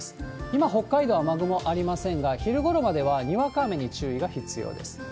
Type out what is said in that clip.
今、北海道雨雲ありませんが、昼ごろまではにわか雨に注意が必要です。